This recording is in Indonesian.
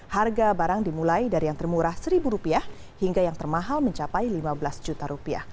harga barang dimulai dari yang termurah rp satu hingga yang termahal mencapai rp lima belas juta